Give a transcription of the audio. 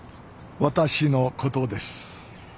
私のことです